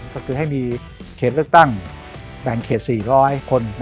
ก็คือให้มีเขตเลือกตั้งแบ่งเขต๔๐๐คน